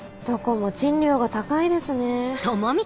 どこも賃料が高いですね。